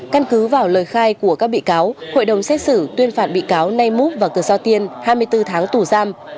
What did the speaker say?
căn cứ vào lời khai của các bị cáo hội đồng xét xử tuyên phạt bị cáo nay múc và cờ giao tiên hai mươi bốn tháng tù giam